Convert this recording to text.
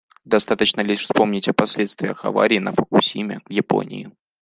Достаточно лишь вспомнить о последствиях аварии на «Фукусиме» в Японии.